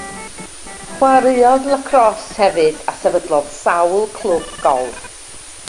Chwaraeodd lacrosse hefyd a sefydlodd sawl clwb golff.